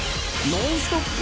ノンストップ！